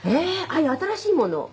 「ああいう新しいものを？